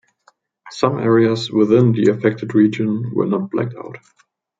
Some areas within the affected region were not blacked out.